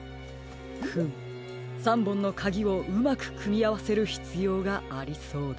フム３ぼんのかぎをうまくくみあわせるひつようがありそうです。